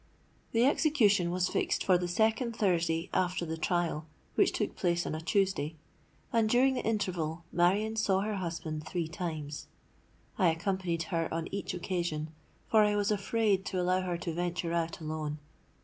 "The execution was fixed for the second Thursday after the trial, which took place on a Tuesday; and during the interval Marion saw her husband three times. I accompanied her on each occasion; for I was afraid to allow her to venture out alone.